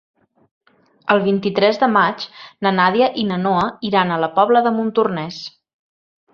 El vint-i-tres de maig na Nàdia i na Noa iran a la Pobla de Montornès.